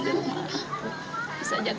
ya gak usah capek capek